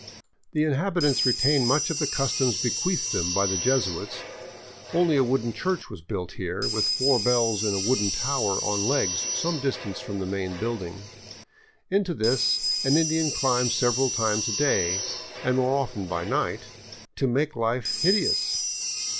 The inhabitants retain many of the customs bequeathed them by the Jesuits. Only a wooden church was built here, with four bells in a wooden tower on legs some distance from the main building. Into this an Indian climbs several times a day, and more often by night, to make life hideous.